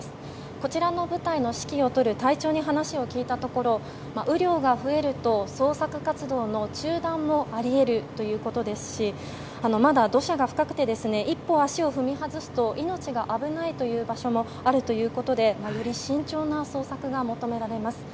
こちらの部隊の指揮を執る隊長に話を聞いたところ雨量が増えると捜索活動の中断もあり得るということですしまだ土砂が深くて１歩足を踏み外すと命が危ないという場所もあるということでより慎重な捜索が求められます。